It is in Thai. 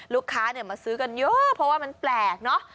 ลูกค้ามาซื้อกันเยอะเพราะว่ามันแปลกเนอะ